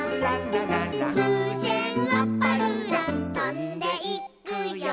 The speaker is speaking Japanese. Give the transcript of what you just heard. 「ふうせんはパルーラ」「とんでいくよ」